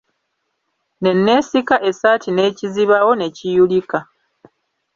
Ne neesika essaati n'ekizibawo ne biyulika.